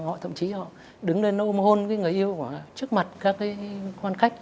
họ thậm chí đứng lên ôm hôn người yêu trước mặt các quan khách